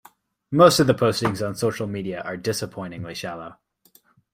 Most of the postings on social media are disappointingly shallow.